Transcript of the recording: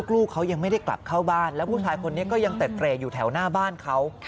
ลูกเขายังไม่ได้กลับเข้าบ้านแล้วผู้ชายคนนี้ก็ยังเต็ดเรย์อยู่แถวหน้าบ้านเขา